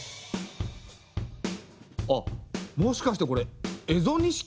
あっもしかしてこれ蝦夷錦？